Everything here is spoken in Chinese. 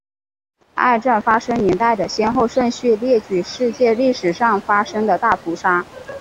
本列表按照发生年代的先后顺序列举世界历史上发生的大屠杀。